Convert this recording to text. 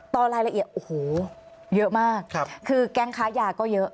รายละเอียดโอ้โหเยอะมากคือแก๊งค้ายาก็เยอะ